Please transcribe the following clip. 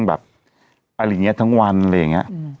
อะไรอย่างนี้ทั้งวัน